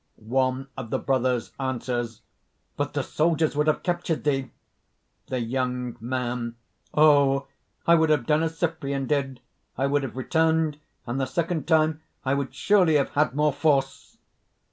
(One of the brothers answers: ) "But the soldiers would have captured thee!" THE YOUNG MAN. "Oh! I would have done as Cyprian did I would have returned, and the second time I would surely have had more force!"